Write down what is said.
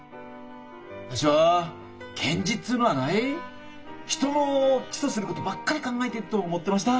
私は検事っつうのはない人を起訴することばっかり考えてっど思ってました。